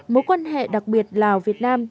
mối quan hệ đặc biệt lào việt nam